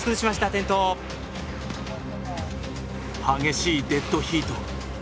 激しいデッドヒート